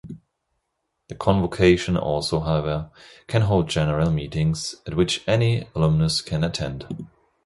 The convocation also, however, can hold general meetings, at which any alumnus can attend.